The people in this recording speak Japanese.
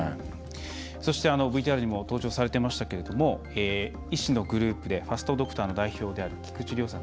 そして、ＶＴＲにも登場されてましたけれども医師のグループでファストドクターの代表である菊池亮さん。